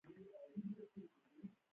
• د غاښونو پاک ساتل د صحت نښه ده.